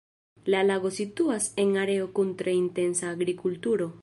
La lago situas en areo kun tre intensa agrikulturo.